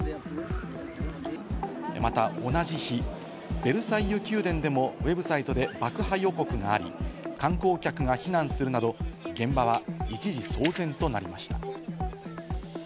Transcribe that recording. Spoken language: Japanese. また同じ日、ベルサイユ宮殿でもＷｅｂサイトで爆破予告があり、観光客が避難するなど、現場は一時騒然となりました。